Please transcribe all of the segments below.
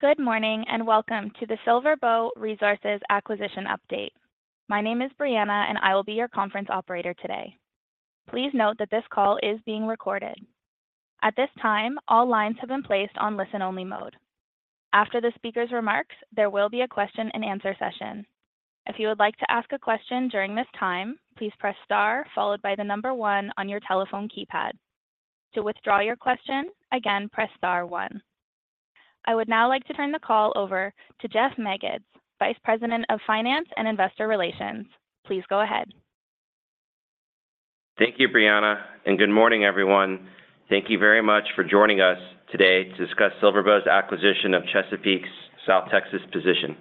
Good morning, welcome to the SilverBow Resources Acquisition Update. My name is Brianna, I will be your conference operator today. Please note that this call is being recorded. At this time, all lines have been placed on listen-only mode. After the speaker's remarks, there will be a question-and-answer session. If you would like to ask a question during this time, please press star followed by one on your telephone keypad. To withdraw your question, again, press star one. I would now like to turn the call over to Jeff Magids, Vice President of Finance and Investor Relations. Please go ahead. Thank you, Brianna. Good morning, everyone. Thank you very much for joining us today to discuss SilverBow's acquisition of Chesapeake's South Texas position.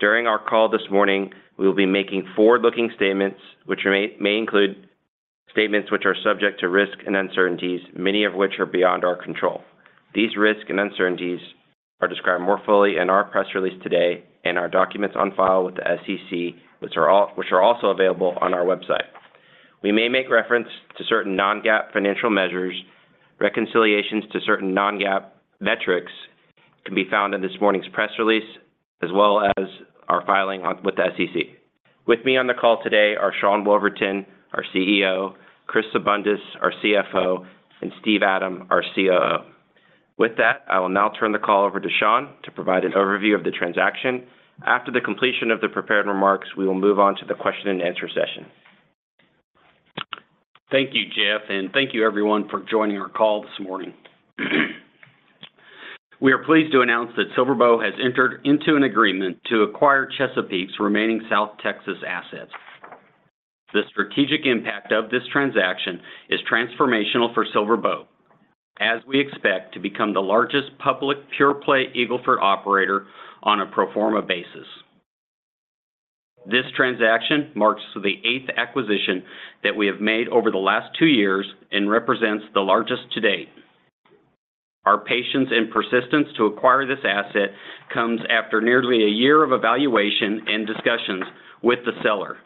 During our call this morning, we will be making forward-looking statements, which may include statements which are subject to risks and uncertainties, many of which are beyond our control. These risks and uncertainties are described more fully in our press release today and our documents on file with the SEC, which are also available on our website. We may make reference to certain non-GAAP financial measures. Reconciliations to certain non-GAAP metrics can be found in this morning's press release, as well as our filing with the SEC. With me on the call today are Sean Woolverton, our CEO; Chris Abundis, our CFO; and Steve Adam, our COO. With that, I will now turn the call over to Sean to provide an overview of the transaction. After the completion of the prepared remarks, we will move on to the question-and-answer session. Thank you, Jeff. Thank you everyone for joining our call this morning. We are pleased to announce that SilverBow has entered into an agreement to acquire Chesapeake's remaining South Texas assets. The strategic impact of this transaction is transformational for SilverBow, as we expect to become the largest public pure-play Eagle Ford operator on a pro forma basis. This transaction marks the eighth acquisition that we have made over the last two years and represents the largest to date. Our patience and persistence to acquire this asset comes after nearly a year of evaluation and discussions with the seller.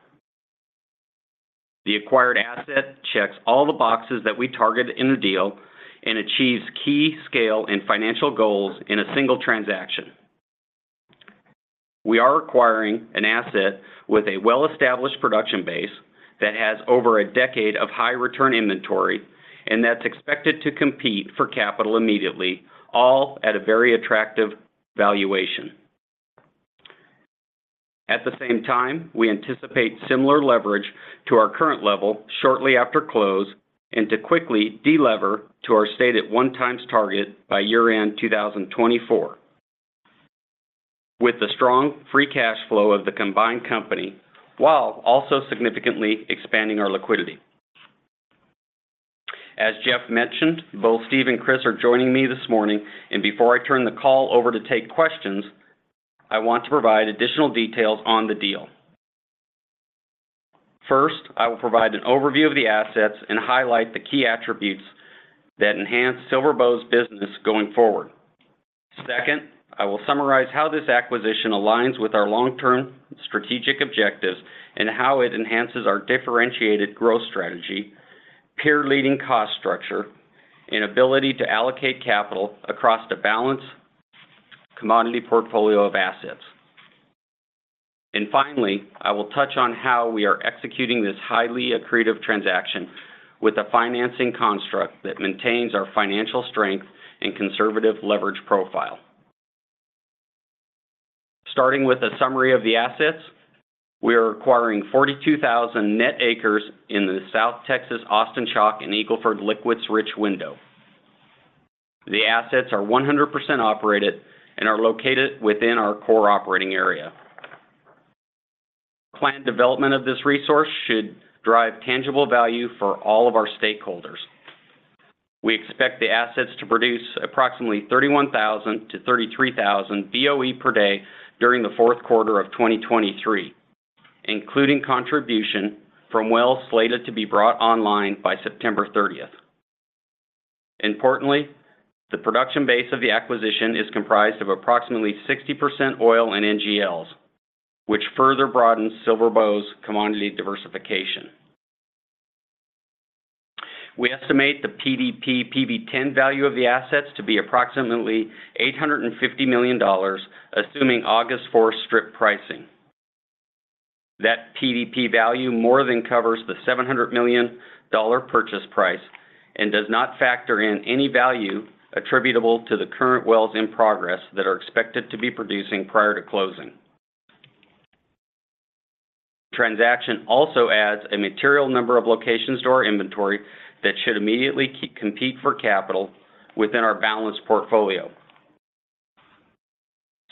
The acquired asset checks all the boxes that we targeted in the deal and achieves key scale and financial goals in a single transaction. We are acquiring an asset with a well-established production base that has over a decade of high-return inventory and that's expected to compete for capital immediately, all at a very attractive valuation. At the same time, we anticipate similar leverage to our current level shortly after close and to quickly delever to our stated 1x target by year-end 2024. With the strong free cash flow of the combined company, while also significantly expanding our liquidity. As Jeff mentioned, both Steve Adam and Chris Abundis are joining me this morning, and before I turn the call over to take questions, I want to provide additional details on the deal. First, I will provide an overview of the assets and highlight the key attributes that enhance SilverBow's business going forward. Second, I will summarize how this acquisition aligns with our long-term strategic objectives and how it enhances our differentiated growth strategy, peer-leading cost structure, and ability to allocate capital across the balanced commodity portfolio of assets. Finally, I will touch on how we are executing this highly accretive transaction with a financing construct that maintains our financial strength and conservative leverage profile. Starting with a summary of the assets, we are acquiring 42,000 net acres in the South Texas Austin Chalk and Eagle Ford liquids-rich window. The assets are 100% operated and are located within our core operating area. Planned development of this resource should drive tangible value for all of our stakeholders. We expect the assets to produce approximately 31,000 to 33,000 BOE per day during the fourth quarter of 2023, including contribution from wells slated to be brought online by September 30th. Importantly, the production base of the acquisition is comprised of approximately 60% oil and NGLs, which further broadens SilverBow's commodity diversification. We estimate the PDP PV-10 value of the assets to be approximately $850 million, assuming August 4 strip pricing. That PDP value more than covers the $700 million purchase price and does not factor in any value attributable to the current wells in progress that are expected to be producing prior to closing. The transaction also adds a material number of locations to our inventory that should immediately compete for capital within our balanced portfolio.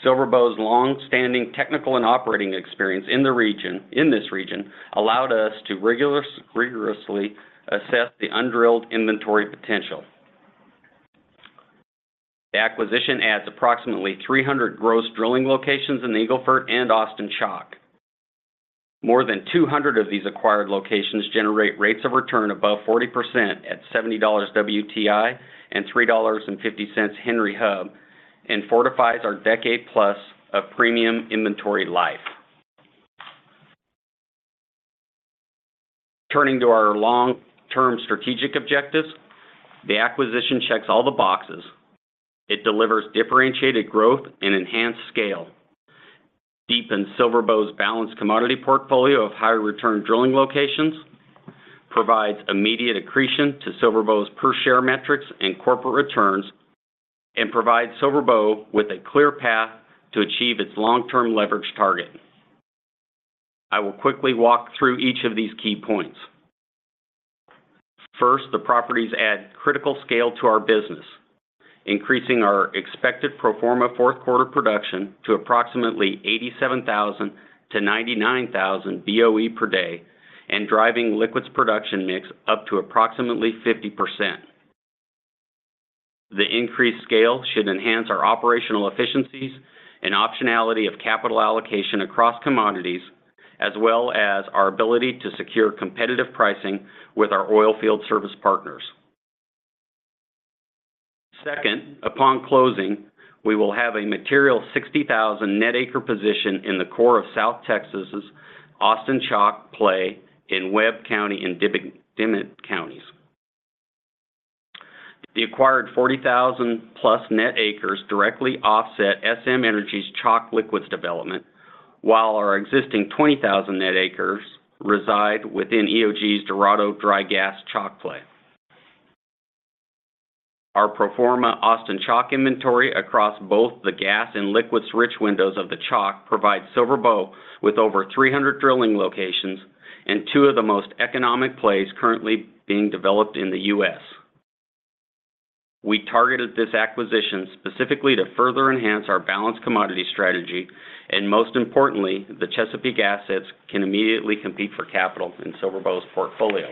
SilverBow's long-standing technical and operating experience in this region allowed us to rigorously assess the undrilled inventory potential. The acquisition adds approximately 300 gross drilling locations in the Eagle Ford and Austin Chalk. More than 200 of these acquired locations generate rates of return above 40% at $70 WTI and $3.50 Henry Hub, and fortifies our decade-plus of premium inventory life. Turning to our long-term strategic objectives, the acquisition checks all the boxes. It delivers differentiated growth and enhanced scale, deepens SilverBow's balanced commodity portfolio of high-return drilling locations, provides immediate accretion to SilverBow's per share metrics and corporate returns, and provides SilverBow with a clear path to achieve its long-term leverage target. I will quickly walk through each of these key points. First, the properties add critical scale to our business, increasing our expected pro forma fourth quarter production to approximately 87,000 to 99,000 BOE per day and driving liquids production mix up to approximately 50%. The increased scale should enhance our operational efficiencies and optionality of capital allocation across commodities, as well as our ability to secure competitive pricing with our oil field service partners. Second, upon closing, we will have a material 60,000 net acre position in the core of South Texas' Austin Chalk play in Webb County and Dimmit County. The acquired 40,000 plus net acres directly offset SM Energy's Chalk liquids development, while our existing 20,000 net acres reside within EOG's Dorado Dry Gas Chalk Play. Our pro forma Austin Chalk inventory across both the gas and liquids-rich windows of the Chalk, provide SilverBow with over 300 drilling locations and two of the most economic plays currently being developed in the U.S. We targeted this acquisition specifically to further enhance our balanced commodity strategy, and most importantly, the Chesapeake assets can immediately compete for capital in SilverBow's portfolio.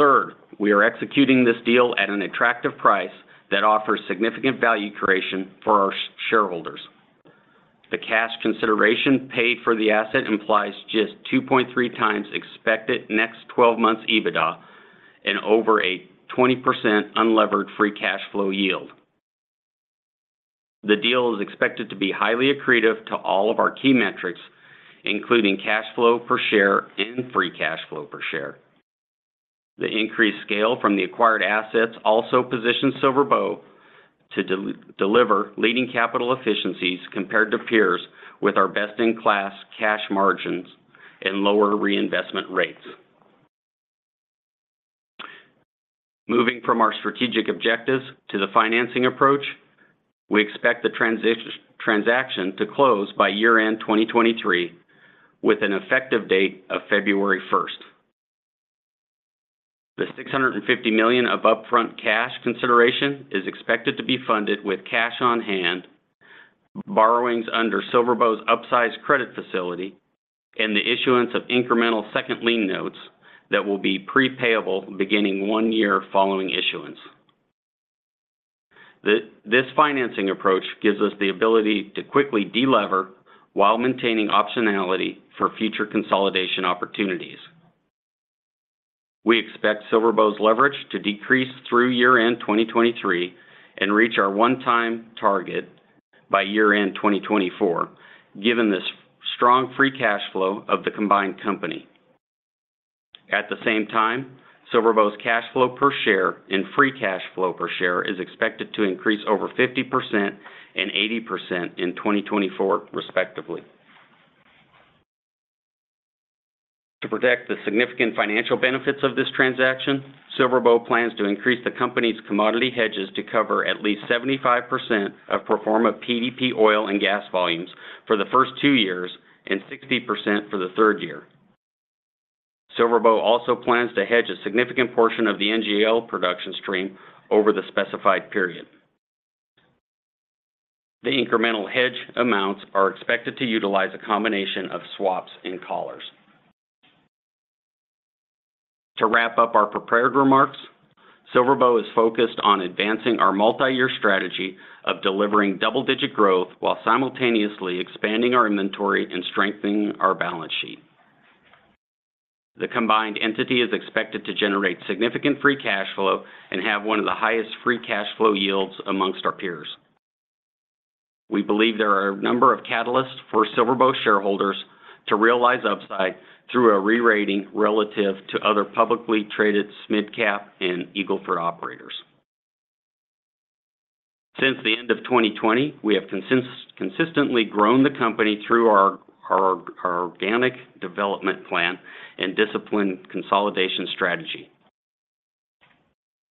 Third, we are executing this deal at an attractive price that offers significant value creation for our shareholders. The cash consideration paid for the asset implies just 2.3x expected next 12 months EBITDA and over a 20% unlevered free cash flow yield. The deal is expected to be highly accretive to all of our key metrics, including cash flow per share and free cash flow per share. The increased scale from the acquired assets also positions SilverBow to deliver leading capital efficiencies compared to peers with our best-in-class cash margins and lower reinvestment rates. Moving from our strategic objectives to the financing approach, we expect the transaction to close by year-end 2023, with an effective date of February 1st. The $650 million of upfront cash consideration is expected to be funded with cash on hand, borrowings under SilverBow's upsized credit facility, and the issuance of incremental second-lien notes that will be pre-payable beginning one year following issuance. This financing approach gives us the ability to quickly delever while maintaining optionality for future consolidation opportunities. We expect SilverBow's leverage to decrease through year-end 2023 and reach our one-time target by year-end 2024, given the strong free cash flow of the combined company. At the same time, SilverBow's cash flow per share and free cash flow per share is expected to increase over 50% and 80% in 2024, respectively. To protect the significant financial benefits of this transaction, SilverBow plans to increase the company's commodity hedges to cover at least 75% of pro forma PDP oil and gas volumes for the first two years and 60% for the third year. SilverBow also plans to hedge a significant portion of the NGL production stream over the specified period. The incremental hedge amounts are expected to utilize a combination of swaps and collars. To wrap up our prepared remarks, SilverBow is focused on advancing our multi-year strategy of delivering double-digit growth while simultaneously expanding our inventory and strengthening our balance sheet. The combined entity is expected to generate significant free cash flow and have one of the highest free cash flow yields amongst our peers. We believe there are a number of catalysts for SilverBow shareholders to realize upside through a re-rating relative to other publicly traded mid-cap and Eagle Ford operators. Since the end of 2020, we have consistently grown the company through our, our, our organic development plan and disciplined consolidation strategy,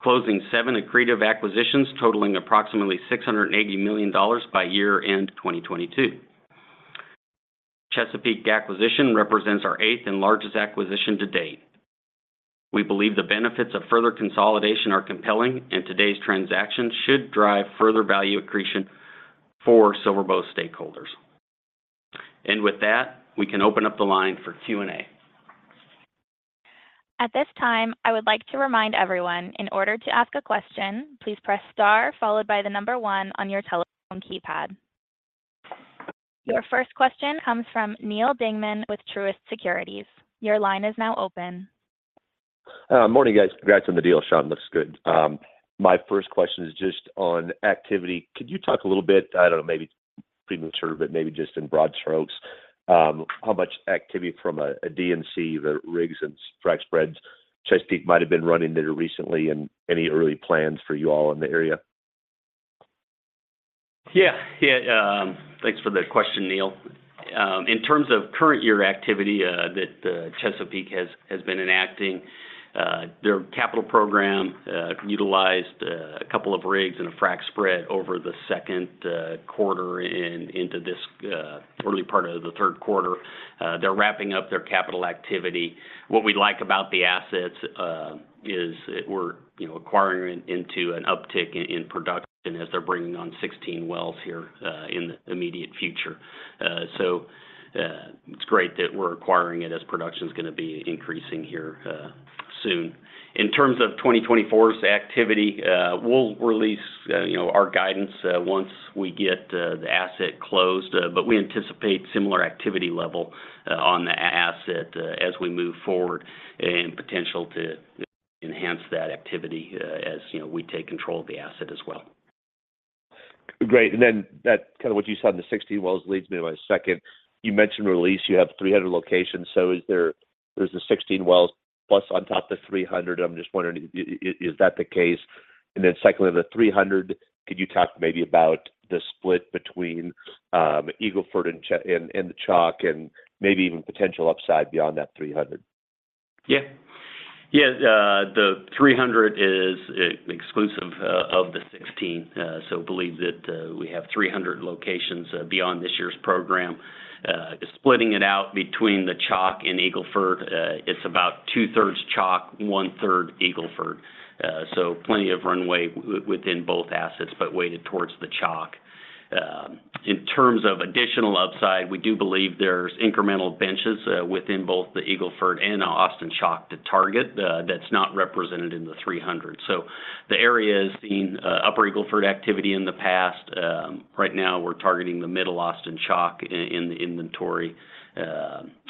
closing seven accretive acquisitions totaling approximately $680 million by year-end 2022. Chesapeake acquisition represents our eighth and largest acquisition to date. We believe the benefits of further consolidation are compelling. Today's transaction should drive further value accretion for SilverBow stakeholders. With that, we can open up the line for Q&A. At this time, I would like to remind everyone, in order to ask a question, please press star followed by the number one on your telephone keypad. Your first question comes from Neal Dingmann with Truist Securities. Your line is now open. Morning, guys. Congrats on the deal, Sean. Looks good. My first question is just on activity. Could you talk a little bit, I don't know, maybe premature, but maybe just in broad strokes, how much activity from DNC, the rigs and frac spreads Chesapeake might have been running there recently, and any early plans for you all in the area? Yeah. Thanks for the question, Neal. In terms of current year activity, that Chesapeake has been enacting, their capital program utilized a couple of rigs and a frack spread over the second quarter into this early part of the third quarter. They're wrapping up their capital activity. What we like about the assets is that we're, you know, acquiring into an uptick in production as they're bringing on 16 wells here in the immediate future. So, it's great that we're acquiring it as production's going to be increasing here soon. In terms of 2024's activity, we'll release, you know, our guidance once we get the asset closed. We anticipate similar activity level on the asset as we move forward, and potential to, to enhance that activity as, you know, we take control of the asset as well. That, kind of what you said, the 16 wells leads me to my second... You mentioned the release, you have 300 locations. Is there, there's the 16 wells, plus on top the 300, I'm just wondering, is that the case? Secondly, the 300, could you talk maybe about the split between Eagle Ford and the Chalk, and maybe even potential upside beyond that 300? The 300 is exclusive of the 16. Believe that we have 300 locations beyond this year's program. Splitting it out between the Chalk and Eagle Ford, it's about 2/3 Chalk, 1/3 Eagle Ford. Plenty of runway within both assets, but weighted towards the Chalk. In terms of additional upside, we do believe there's incremental benches within both the Eagle Ford and Austin Chalk to target, that's not represented in the 300. The area has seen Upper Eagle Ford activity in the past. Right now, we're targeting the Middle Austin Chalk in the inventory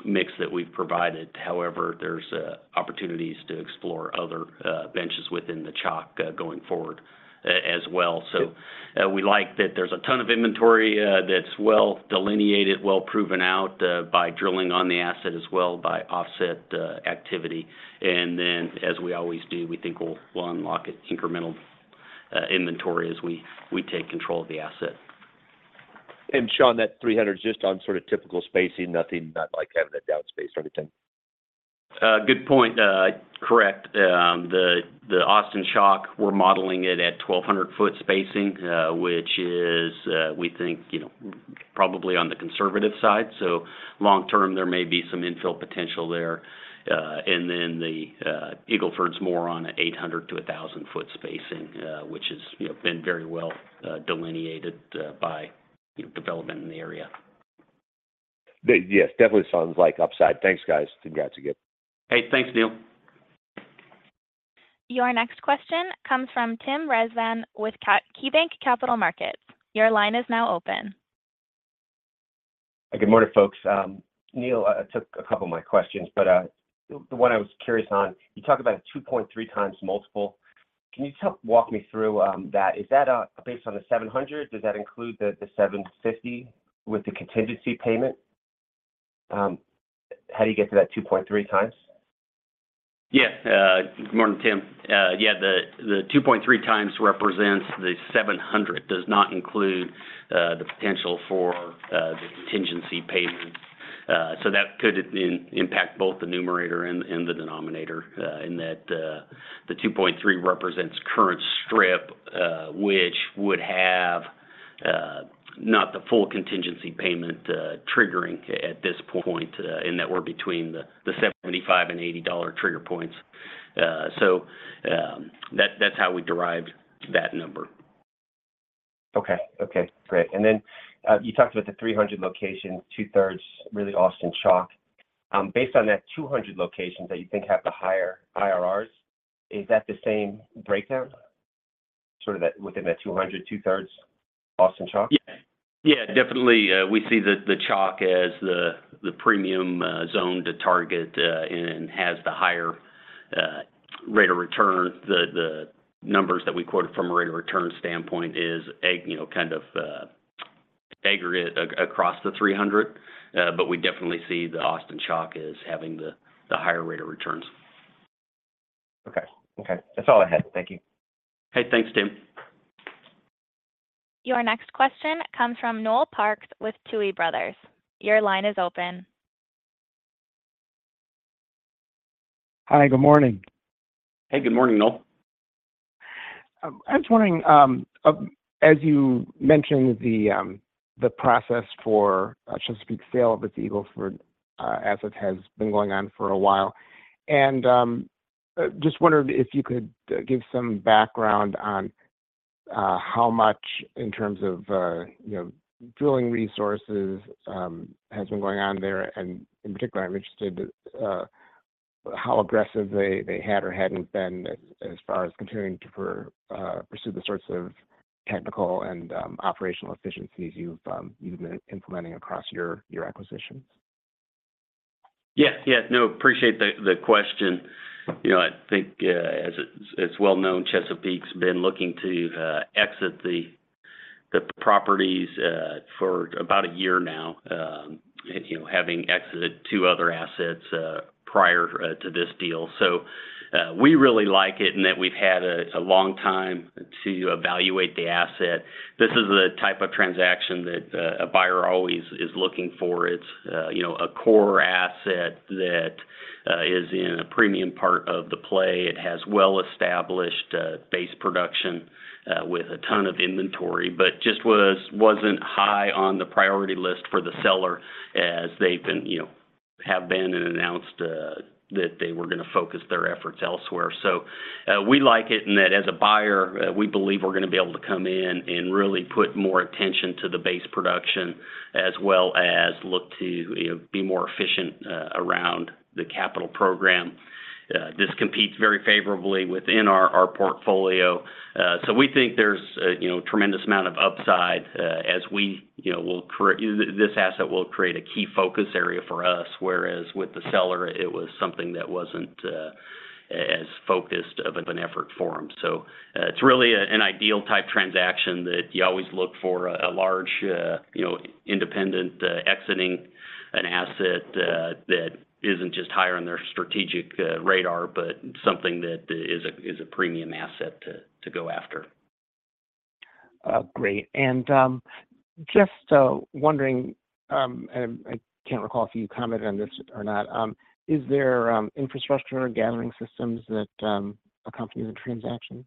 mix that we've provided. However, there's opportunities to explore other benches within the Chalk going forward as well. Yep. We like that there's a ton of inventory that's well delineated, well proven out by drilling on the asset, as well by offset activity. As we always do, we think we'll, we'll unlock it incremental inventory as we, we take control of the asset. Sean, that 300 is just on sort of typical spacing, nothing... not like having that down spaced or anything? Good point. Correct. The Austin Chalk, we're modeling it at 1,200 foot spacing, which is, we think, you know, probably on the conservative side. Long term, there may be some infill potential there. Then the Eagle Ford's more on a 800-1,000 foot spacing, which has, you know, been very well delineated, by, you know, development in the area. Yes, definitely sounds like upside. Thanks, guys. Congrats again. Hey, thanks, Neal. Your next question comes from Tim Rezvan with KeyBanc Capital Markets. Your line is now open. Good morning, folks. Neal took a couple of my questions, but the one I was curious on, you talked about a 2.3x multiple. Can you walk me through that? Is that based on the $700, does that include the $750 with the contingency payment? How do you get to that 2.3x? Yeah. Good morning, Tim. Yeah, the 2.3x represents the $700, does not include the potential for the contingency payment. That could impact both the numerator and the denominator, in that the 2.3x represents current strip, which would have not the full contingency payment triggering at this point, in that we're between the $75 and $80 trigger points. That's how we derived that number. Okay. Okay, great. You talked about the 300 locations, 2/3, really Austin Chalk. Based on that 200 locations that you think have the higher IRRs, is that the same breakdown, sort of that, within that 200, 2/3 Austin Chalk? Yeah. Yeah, definitely, we see the Chalk as the premium zone to target and has the higher rate of return. The numbers that we quoted from a rate of return standpoint is you know, kind of, aggregate across the 300, but we definitely see the Austin Chalk as having the higher rate of returns. Okay. Okay, that's all I had. Thank you. Hey, thanks, Tim. Your next question comes from Noel Parks with Tuohy Brothers. Your line is open. Hi, good morning. Hey, good morning, Noel. I was wondering, as you mentioned, the process for Chesapeake's sale of its Eagle Ford asset has been going on for a while. Just wondered if you could give some background on how much in terms of, you know, drilling resources, has been going on there. In particular, I'm interested how aggressive they had or hadn't been as far as continuing to pursue the sorts of technical and operational efficiencies you've been implementing across your acquisitions? Yes. Yeah, no, appreciate the, the question. You know, I think, as it's, it's well known, Chesapeake's been looking to exit the properties for about a year now, you know, having exited two other assets prior to this deal. We really like it in that we've had a long time to evaluate the asset. This is the type of transaction that a buyer always is looking for. It's, you know, a core asset that is in a premium part of the play. It has well-established base production with a ton of inventory, but just wasn't high on the priority list for the seller as they've been, you know, have been and announced that they were gonna focus their efforts elsewhere. We like it, and that as a buyer, we believe we're gonna be able to come in and really put more attention to the base production, as well as look to, you know, be more efficient, around the capital program. This competes very favorably within our, our portfolio. We think there's, you know, tremendous amount of upside, as we, you know, this asset will create a key focus area for us, whereas with the seller, it was something that wasn't, as focused of an effort for them. It's really a, an ideal type transaction that you always look for: a large, you know, independent, exiting an asset, that isn't just high on their strategic, radar, but something that is a, is a premium asset to, to go after. Great. Just wondering, and I can't recall if you commented on this or not, is there infrastructure or gathering systems that accompany the transaction?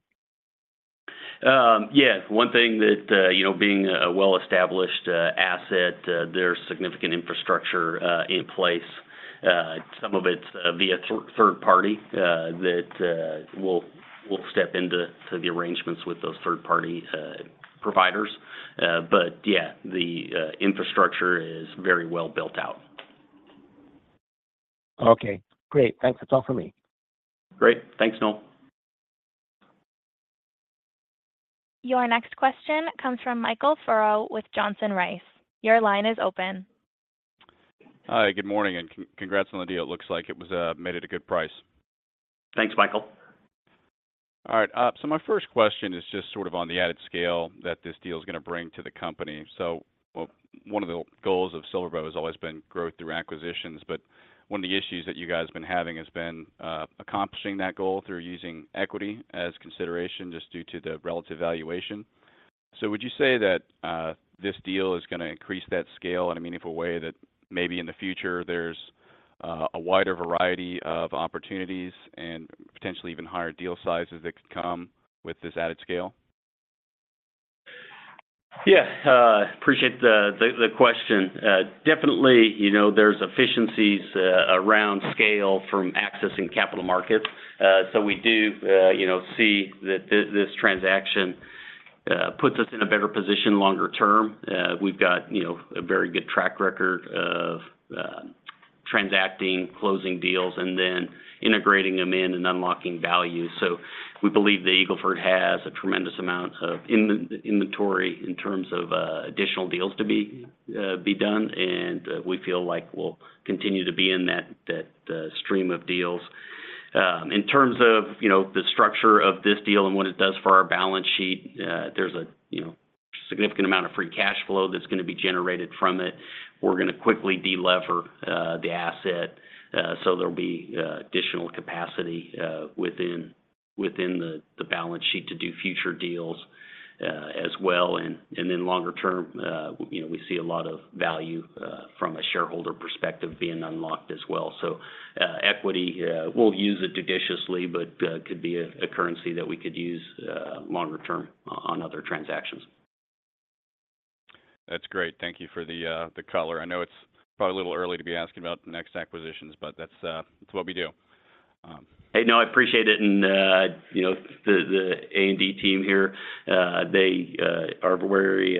Yeah. One thing that, you know, being a well-established, asset, there's significant infrastructure, in place. Some of it's, via third-party, that, we'll- we'll step into to the arrangements with those third-party, providers. Yeah, the infrastructure is very well built out. Okay, great. Thanks. That's all for me. Great. Thanks, Noel. Your next question comes from Michael Furrow with Johnson Rice. Your line is open. Hi, good morning, and congrats on the deal. It looks like it was made at a good price. Thanks, Michael. All right. My first question is just sort of on the added scale that this deal is gonna bring to the company. Well one of the goals of SilverBow has always been growth through acquisitions, but one of the issues that you guys have been having has been accomplishing that goal through using equity as consideration, just due to the relative valuation. Would you say that this deal is gonna increase that scale in a meaningful way, that maybe in the future there's, a wider variety of opportunities and potentially even higher deal sizes that could come with this added scale? Appreciate the, the, the question. Definitely, you know, there's efficiencies around scale from accessing capital markets. We do, you know, see that this transaction puts us in a better position longer term. We've got, you know, a very good track record of transacting, closing deals, and then integrating them in and unlocking value. We believe that Eagle Ford has a tremendous amount of inventory in terms of additional deals to be done, and we feel like we'll continue to be in that, that stream of deals. In terms of, you know, the structure of this deal and what it does for our balance sheet, there's a, you know, significant amount of free cash flow that's gonna be generated from it. We're gonna quickly delever, the asset, so there'll be additional capacity within the balance sheet to do future deals as well. Then longer term, you know, we see a lot of value from a shareholder perspective being unlocked as well. Equity, we'll use it judiciously, but could be a currency that we could use longer term on other transactions. That's great. Thank you for the color. I know it's probably a little early to be asking about the next acquisitions, but that's, that's what we do. Hey, no, I appreciate it. You know, the A&D team here, they are very,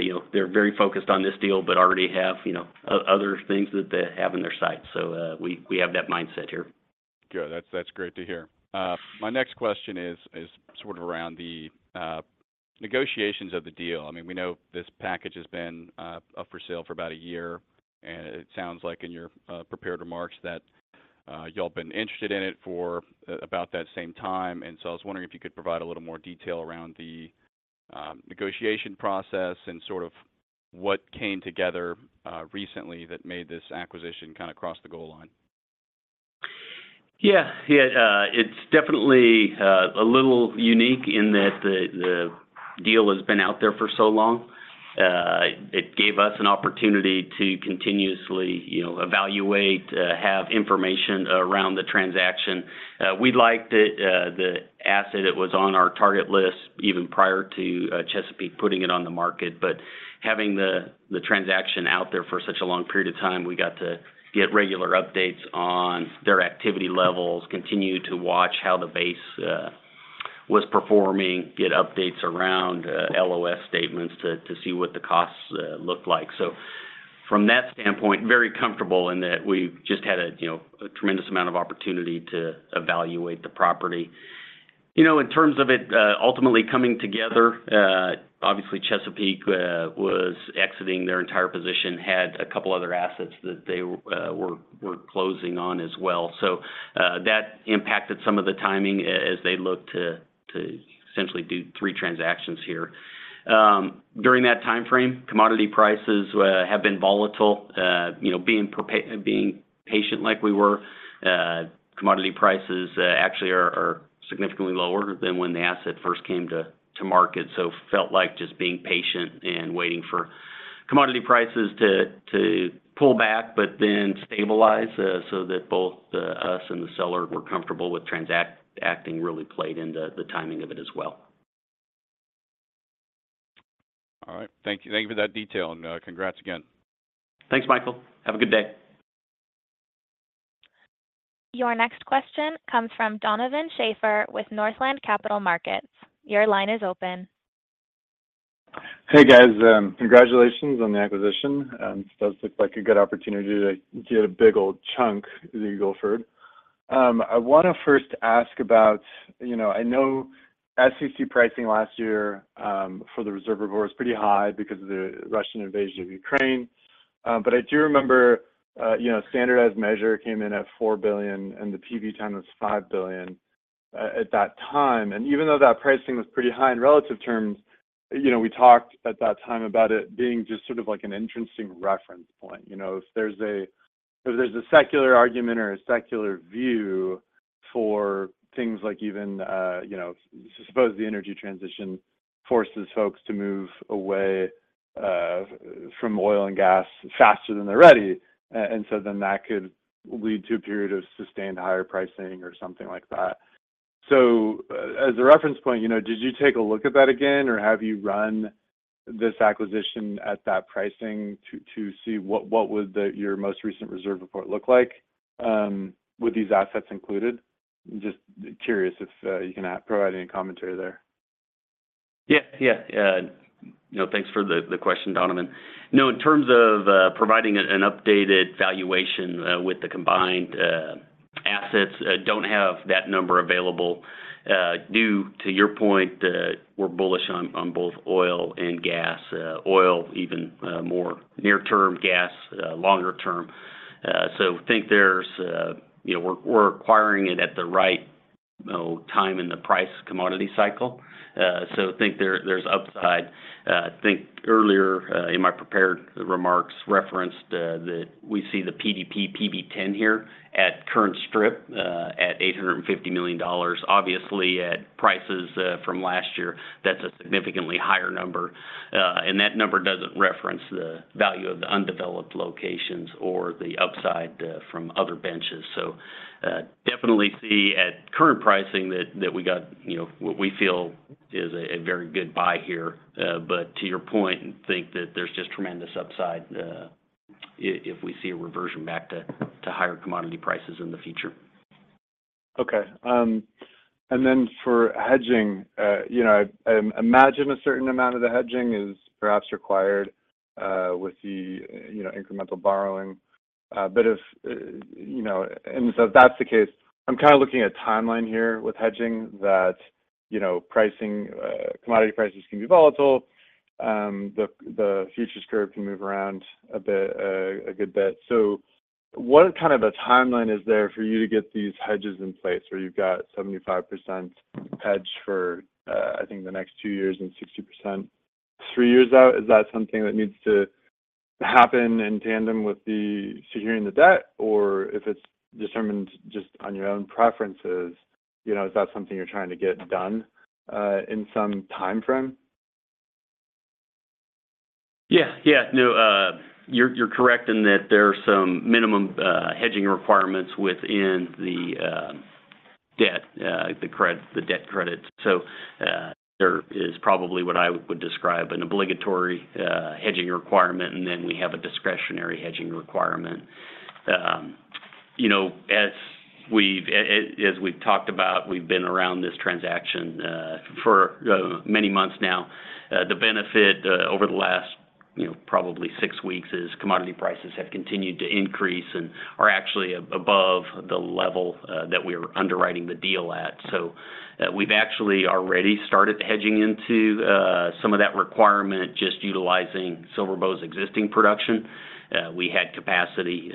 you know, they're very focused on this deal, but already have, you know, other things that they have on their site. We have that mindset here. Good. That's, that's great to hear. My next question is, is sort of around the negotiations of the deal. I mean, we know this package has been up for sale for about a year, and it sounds like in your prepared remarks that y'all have been interested in it for about that same time. So I was wondering if you could provide a little more detail around the negotiation process and sort of what came together recently that made this acquisition kind of cross the goal line. Yeah. Yeah, it's definitely a little unique in that the, the deal has been out there for so long. It gave us an opportunity to continuously, you know, evaluate, have information around the transaction. We liked it, the asset. It was on our target list even prior to Chesapeake putting it on the market. Having the, the transaction out there for such a long period of time, we got to get regular updates on their activity levels, continue to watch how the base was performing, get updates around LOE statements to, to see what the costs looked like. From that standpoint, very comfortable in that we've just had a, you know, a tremendous amount of opportunity to evaluate the property. You know, in terms of it, ultimately coming together, obviously, Chesapeake was exiting their entire position, had a couple other assets that they were closing on as well. That impacted some of the timing as they looked to essentially do three transactions here. During that time frame, commodity prices have been volatile. You know, being patient like we were, commodity prices actually are significantly lower than when the asset first came to market. Felt like just being patient and waiting for commodity prices to pull back, but then stabilize, so that both us and the seller were comfortable with transacting really played into the timing of it as well. All right. Thank you. Thank you for that detail, and, congrats again. Thanks, Michael. Have a good day. Your next question comes from Donovan Schafer with Northland Capital Markets. Your line is open. Hey, guys, congratulations on the acquisition. This does look like a good opportunity to get a big old chunk in Eagle Ford. I want to first ask about, you know, I know SEC pricing last year for the reserve report was pretty high because of the Russian invasion of Ukraine. I do remember, you know, Standardized Measure came in at $4 billion, and the PV-10 was $5 billion at that time. Even though that pricing was pretty high in relative terms, you know, we talked at that time about it being just sort of like an interesting reference point. You know, if there's a if there's a secular argument or a secular view for things like even, you know, suppose the energy transition forces folks to move away from oil and gas faster than they're ready, and so then that could lead to a period of sustained higher pricing or something like that. As a reference point, you know, did you take a look at that again, or have you run this acquisition at that pricing to, to see what, what would the your most recent reserve report look like with these assets included? Just curious if you can provide any commentary there. Yeah, yeah. You know, thanks for the question, Donovan. You know, in terms of providing an updated valuation with the combined assets, don't have that number available. Due to your point, we're bullish on both oil and gas, oil even more near term, gas longer term. Think there's. You know, we're acquiring it at the right, you know, time in the price commodity cycle. Think there's upside. I think earlier in my prepared remarks, referenced that we see the PDP PV-10 here at current strip at $850 million. Obviously, at prices from last year, that's a significantly higher number, and that number doesn't reference the value of the undeveloped locations or the upside from other benches. Definitely see at current pricing that, that we got, you know, what we feel is a very good buy here. To your point, think that there's just tremendous upside if we see a reversion back to higher commodity prices in the future. Okay. For hedging, I imagine a certain amount of the hedging is perhaps required with the incremental borrowing. If that's the case, I'm kind of looking at a timeline here with hedging that pricing, commodity prices can be volatile, the, the futures curve can move around a bit, a good bit. What kind of a timeline is there for you to get these hedges in place, where you've got 75% hedged for, I think the next two years and 60%, three years out? Is that something that needs to happen in tandem with the securing the debt, or if it's determined just on your own preferences, is that something you're trying to get done in some time frame? Yeah, yeah. No, you're, you're correct in that there are some minimum hedging requirements within the debt, the credit- the debt credit. There is probably what I would describe, an obligatory hedging requirement, and then we have a discretionary hedging requirement. You know, as we've, as we've talked about, we've been around this transaction for many months now. The benefit over the last, you know, probably six weeks, is commodity prices have continued to increase and are actually above the level that we were underwriting the deal at. We've actually already started hedging into some of that requirement, just utilizing SilverBow's existing production. We had capacity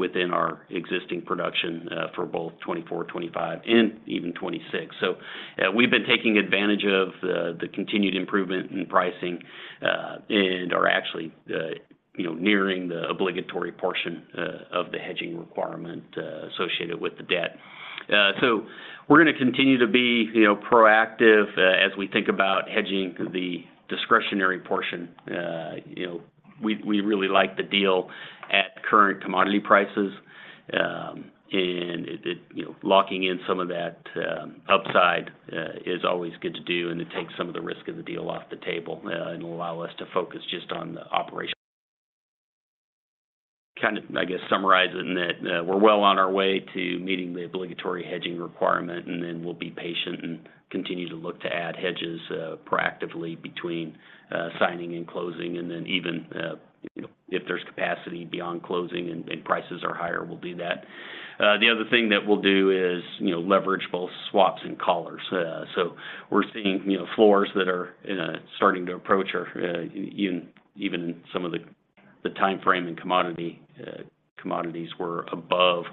within our existing production for both 2024, 2025, and even 2026. We've been taking advantage of the continued improvement in pricing and are actually, you know, nearing the obligatory portion of the hedging requirement associated with the debt. We're going to continue to be, you know, proactive as we think about hedging the discretionary portion. You know, we really like the deal at current commodity prices, and it, you know, locking in some of that upside is always good to do, and it takes some of the risk of the deal off the table and allow us to focus just on the operational. Kind of, I guess, summarize it in that, we're well on our way to meeting the obligatory hedging requirement, and then we'll be patient and continue to look to add hedges proactively between signing and closing. Even if there's capacity beyond closing and prices are higher, we'll do that. The other thing that we'll do is, you know, leverage both swaps and collars. So we're seeing, you know, floors that are starting to approach or even, even some of the timeframe and commodity commodities were above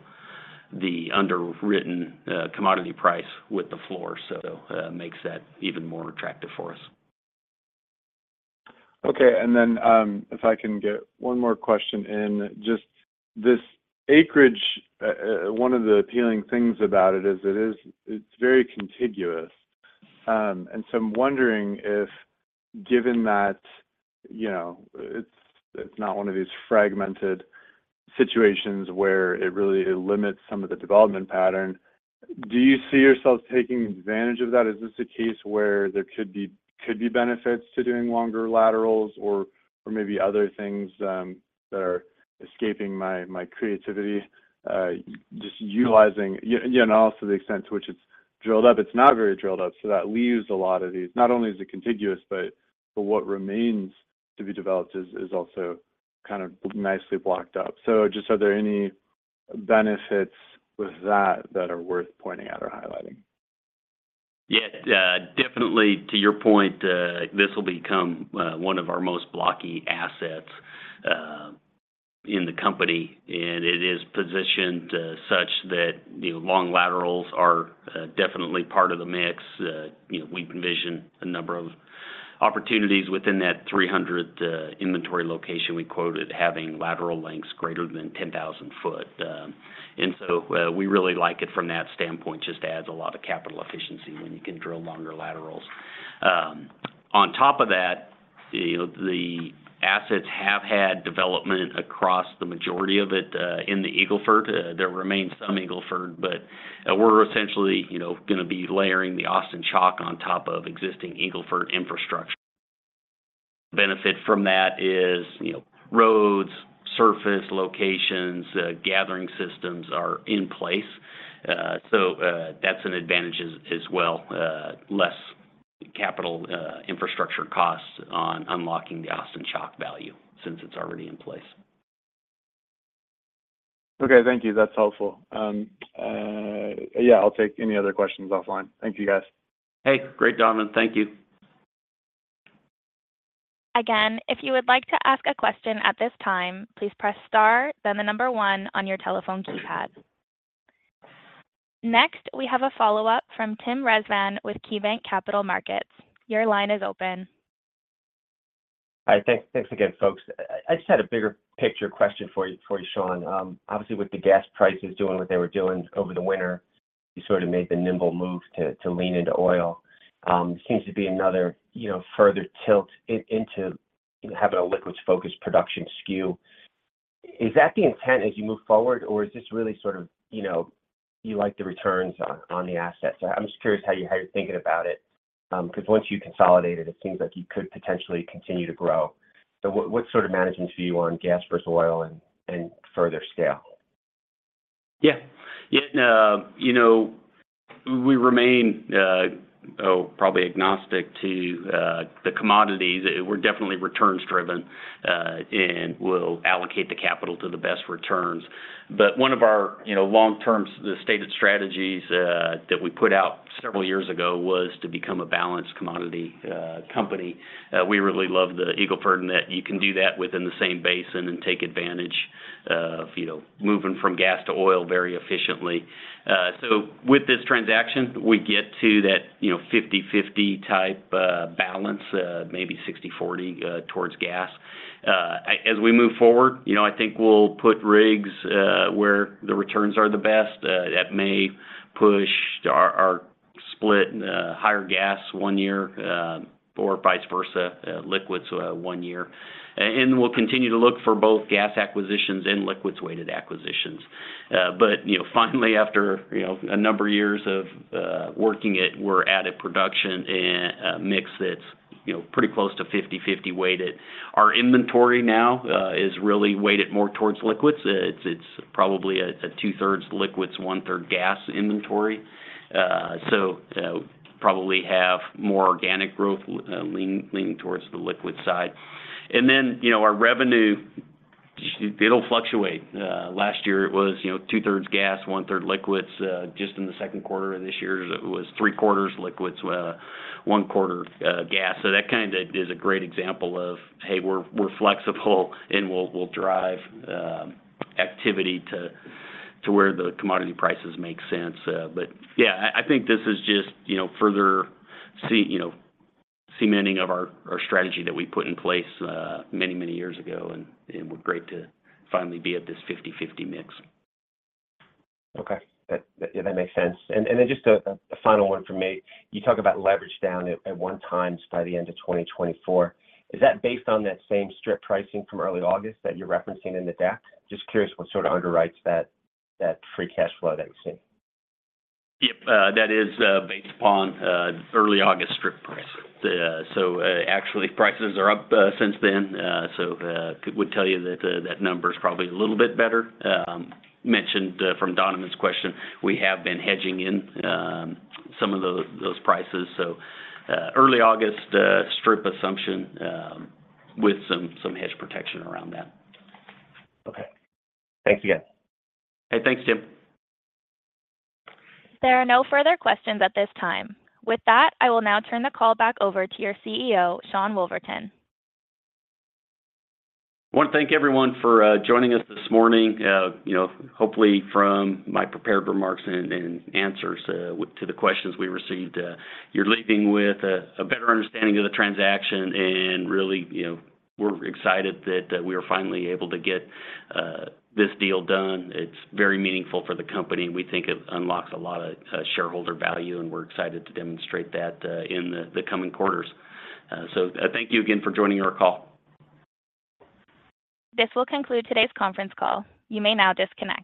the underwritten commodity price with the floor, so makes that even more attractive for us. Okay. Then, if I can get one more question in, just this acreage, one of the appealing things about it is it's very contiguous. I'm wondering if, given that, you know, it's, it's not one of these fragmented situations where it really limits some of the development pattern, do you see yourselves taking advantage of that? Is this a case where there could be, could be benefits to doing longer laterals or, or maybe other things that are escaping my, my creativity? Just utilizing, and also the extent to which it's drilled up. It's not very drilled up, so that leaves a lot of these... Not only is it contiguous, but what remains to be developed is, is also kind of nicely blocked up. Just are there any benefits with that that are worth pointing out or highlighting? Yeah. Definitely, to your point, this will become one of our most blocky assets in the company. It is positioned such that, you know, long laterals are definitely part of the mix. You know, we envision a number of opportunities within that 300 inventory location we quoted having lateral lengths greater than 10,000 foot. We really like it from that standpoint. Just adds a lot of capital efficiency when you can drill longer laterals. On top of that, you know, the assets have had development across the majority of it in the Eagle Ford. There remains some Eagle Ford, we're essentially, you know, gonna be layering the Austin Chalk on top of existing Eagle Ford infrastructure. Benefit from that is, you know, roads, surface, locations, gathering systems are in place. That's an advantage as, as well, less capital, infrastructure costs on unlocking the Austin Chalk value since it's already in place. Okay, thank you. That's helpful. Yeah, I'll take any other questions offline. Thank you, guys. Hey, great, Donovan. Thank you. If you would like to ask a question at this time, please press star, then the one on your telephone keypad. We have a follow-up from Tim Rezvan with KeyBanc Capital Markets. Your line is open. Hi, thanks, thanks again, folks. I just had a bigger picture question for you, for you, Sean. Obviously, with the gas prices doing what they were doing over the winter, you sort of made the nimble move to, to lean into oil. Seems to be another, you know, further tilt into, you know, having a liquids-focused production SKU. Is that the intent as you move forward, or is this really sort of, you know, you like the returns on, on the assets? I'm just curious how you, how you're thinking about it, because once you consolidate it, it seems like you could potentially continue to grow. What, what sort of management view on gas versus oil and, and further scale? Yeah. Yeah, you know, we remain probably agnostic to the commodities. We're definitely returns driven, and we'll allocate the capital to the best returns. One of our, you know, long-term, the stated strategies that we put out several years ago was to become a balanced commodity company. We really love the Eagle Ford and that you can do that within the same basin and take advantage of, you know, moving from gas to oil very efficiently. With this transaction, we get to that, you know, 50/50 type balance, maybe 60/40 towards gas. As we move forward, you know, I think we'll put rigs where the returns are the best. That may push our split higher gas one year, or vice versa, liquids one year. We'll continue to look for both gas acquisitions and liquids-weighted acquisitions. You know, finally, after, you know, a number of years of working it, we're at a production and mix that's, you know, pretty close to 50/50 weighted. Our inventory now is really weighted more towards liquids. It's, it's probably a 2/3 liquids, 1/3 gas inventory. Probably have more organic growth, leaning towards the liquid side. You know, our revenue, it'll fluctuate. Last year it was, you know, 2/3 gas, 1/3 liquids. Just in the second quarter of this year, it was 3/4 liquids, 1/4 gas. That kind of is a great example of, hey, we're, we're flexible, and we'll, we'll drive activity to, to where the commodity prices make sense. Yeah, I think this is just, you know, further you know, cementing of our, our strategy that we put in place, many, many years ago, and, and we're great to finally be at this 50/50 mix. Okay. That, yeah, that makes sense. Then just a final one from me. You talk about leverage down at 1x by the end of 2024. Is that based on that same strip pricing from early August that you're referencing in the deck? Just curious what sort of underwrites that, that free cash flow that we're seeing. Yep. That is based upon early August strip price. Actually, prices are up since then, would tell you that that number is probably a little bit better. Mentioned from Donovan's question, we have been hedging in some of those prices. Early August strip assumption with some, some hedge protection around that. Okay. Thanks again. Hey, thanks, Tim. There are no further questions at this time. With that, I will now turn the call back over to your CEO, Sean Woolverton. I want to thank everyone for joining us this morning. You know, hopefully, from my prepared remarks and answers to the questions we received, you're leaving with a better understanding of the transaction. Really, you know, we're excited that we are finally able to get this deal done. It's very meaningful for the company. We think it unlocks a lot of shareholder value, and we're excited to demonstrate that in the coming quarters. Thank you again for joining our call. This will conclude today's conference call. You may now disconnect.